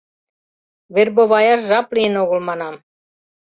«Вербоваяш жап лийын огыл, — манам.